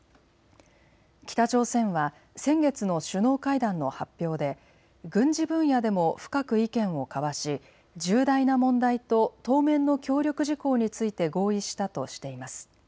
北朝鮮は先月の首脳会談の発表で軍事分野でも深く意見を交わし重大な問題と当面の協力事項について合意したとしています。